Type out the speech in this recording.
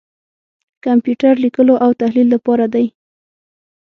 کمپیوټر لیکلو او تحلیل لپاره دی.